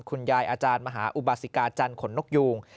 คุณยายอาจารย์มหาวิบาสิกาจันทร์ขนนกยูง